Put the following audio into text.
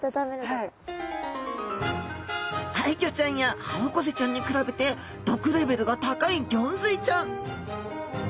アイギョちゃんやハオコゼちゃんに比べて毒レベルが高いギョンズイちゃん。